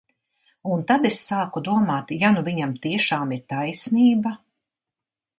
Un tad es sāku domāt, ja nu viņam tiešām ir taisnība?